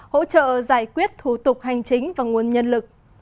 hỗ trợ giải quyết thủ tục hành chính và nguồn nhân lực